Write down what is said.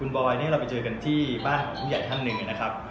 บอยเนี่ยเราไปเจอกันที่บ้านของผู้ใหญ่ท่านหนึ่งนะครับ